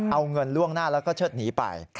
เอาเงินล่วงหน้าแล้วก็เชิดหนีไป